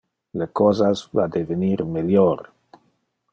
Le cosas va devenir melior.